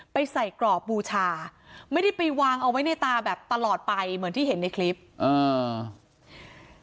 ไปใส่กรอบบูชาไม่ได้ไปวางเอาไว้ในตาแบบตลอดไปเหมือนที่เห็นในคลิปอ่า